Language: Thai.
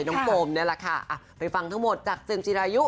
โฟมนี่แหละค่ะไปฟังทั้งหมดจากเจมส์จิรายุ